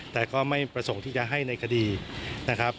แต่ก็ไม่ประสงค์ที่จะให้ในคดีนะครับ